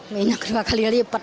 minyak dua kali lipat